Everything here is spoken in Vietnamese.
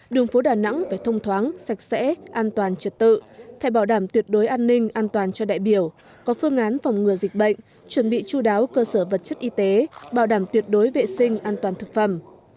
đường phố đà nẵng phải thông thoáng sạch sẽ an toàn trật tự phải bảo đảm tuyệt đối an ninh an toàn cho đại biểu có phương án phòng ngừa dịch bệnh chuẩn bị chú đáo cơ sở vật chất y tế bảo đảm tuyệt đối vệ sinh an toàn thực phẩm